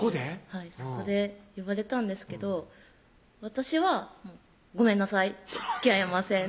はいそこで言われたんですけど私は「ごめんなさいつきあえません」